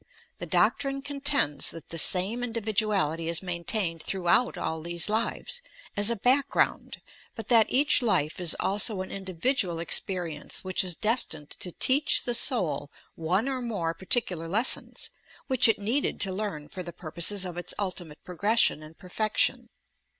The doctrine contends that the same individuality is maintained throughout all these lives, as a "background," but that each life is also an individual experience which is des tined to teach the soul one or more particular lessons, which it needed to learn for the purposes of its ultimate progression and perfection.